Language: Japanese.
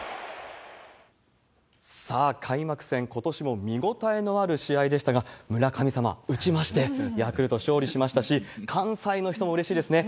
さあ、開幕戦、ことしも見応えのある試合でしたが、村神様打ちまして、ヤクルト勝利しましたし、関西の人もうれしいですね。